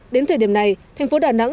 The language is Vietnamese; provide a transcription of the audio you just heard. đến thời điểm này thành phố đà nẵng